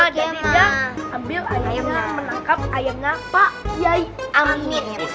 jadi dia ambil ayamnya menangkap ayamnya pak yai amir